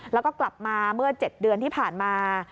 แล้วก็กลับมาเมื่อ๗เดือนที่ผ่านมา